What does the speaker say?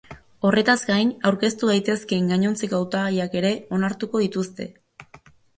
Horretaz gain aurkeztu daitezkeen gainontzeko hautagaiak ere onartuko dituzte.